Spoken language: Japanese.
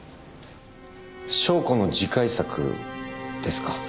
湘子の次回作ですか？